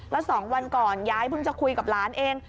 แล้ว๒วันก่อนยายเพิ่งจะคุยกับหลานเอง